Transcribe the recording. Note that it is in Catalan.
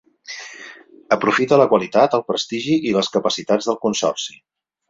Aprofita la qualitat, el prestigi i les capacitats del consorci.